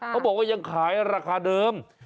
เขาบอกว่ายังขายราคาเดิม